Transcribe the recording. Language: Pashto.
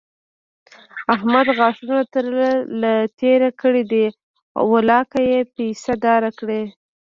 احمد غاښونه تر له تېر کړي دي؛ ولاکه يوه پيسه در کړي.